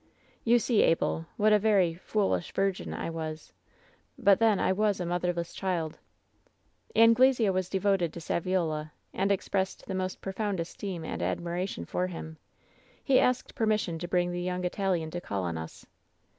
"You see, Abel, what a very ^foolish virgin' I was. But then, I was a motherless child. /•■' WHEN SHADOWS DIE 169 "Anglesea was devoted to Saviola, and expressed the most profound esteem and admiration for him. He asked permission to bring the young Italian to call on us.